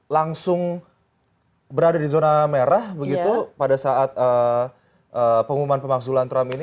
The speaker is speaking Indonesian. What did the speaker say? langsung berada di zona merah begitu pada saat pengumuman pemaksulan trump ini